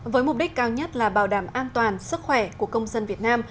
với mục đích cao nhất là bảo đảm an toàn sức khỏe của công dân việt nam